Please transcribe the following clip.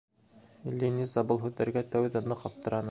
Линиза был һүҙҙәргә тәүҙә ныҡ аптыраны.